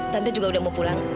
tante juga udah mau pulang